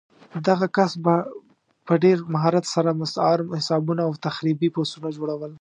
دغه کس به په ډېر مهارت سره مستعار حسابونه او تخریبي پوسټونه جوړول